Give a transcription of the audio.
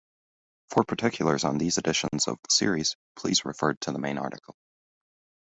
For particulars on these editions of the series, please refer to the main article.